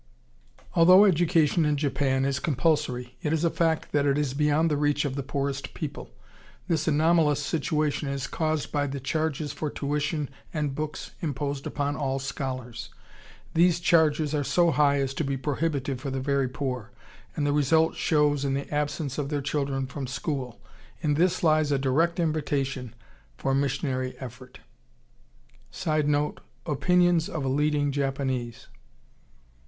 Although education in Japan is compulsory, it is a fact that it is beyond the reach of the poorest people. This anomalous situation is caused by the charges for tuition and books imposed upon all scholars. These charges are so high as to be prohibitive for the very poor, and the result shows in the absence of their children from school. In this lies a direct invitation for missionary effort. [Sidenote: Opinions of a leading Japanese.